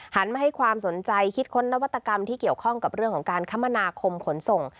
หันมาให้ความสนใจคิดค้นนวัตกรรมที่เกี่ยวข้องกับเรื่องของการคมนาคมขนส่ง